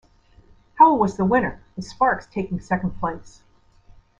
Howell was the winner, with Sparks taking second place.